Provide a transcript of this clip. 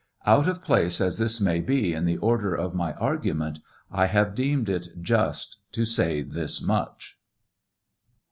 Out of place as this may be in the order of my argument, I have deemed it just to say this much.